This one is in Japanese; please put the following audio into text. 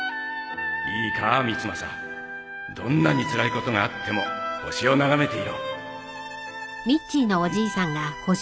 いいか光真どんなにつらいことがあっても星を眺めていろ